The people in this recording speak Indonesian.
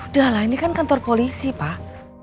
dah lah ini kan kantor polisi pak